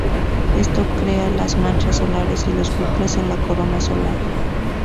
Esto crea las manchas solares y los bucles en la corona solar.